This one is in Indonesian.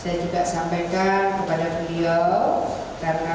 saya juga sampaikan kepada beliau karena